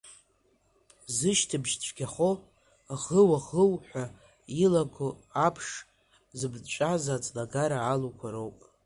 Зышьҭыбжь цәгьахо, аӷыу-аӷыу ҳәа илаго аԥш зымҵәаз аӡлагара алуқәа роуп.